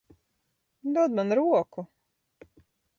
Dod man roku.